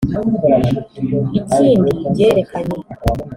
Ikindi byerekanye